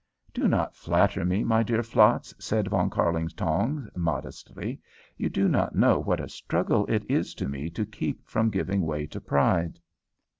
"Do not flatter me, my dear Flatz," said Von Kärlingtongs, modestly. "You do not know what a struggle it is to me to keep from giving way to pride."